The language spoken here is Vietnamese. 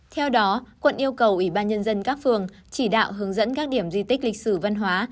theo đó quận yêu cầu ủy ban nhân dân các phường chỉ đạo hướng dẫn các điểm di tích lịch sử văn hóa